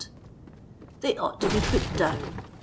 "They ought to be put down.